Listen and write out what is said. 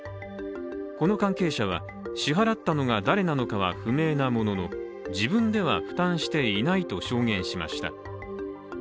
この関係者は、支払ったのが誰なのかは不明なものの、自分では負担していないと証言しました。